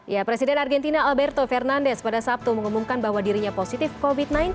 ya presiden argentina alberto fernandes pada sabtu mengumumkan bahwa dirinya positif covid sembilan belas